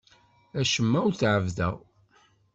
Acemma ur t-ɛebbdeɣ.